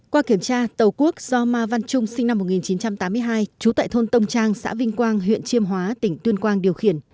qua kiểm tra tàu quốc do ma văn trung sinh năm một nghìn chín trăm tám mươi hai trú tại thôn tông trang xã vinh quang huyện chiêm hóa tỉnh tuyên quang điều khiển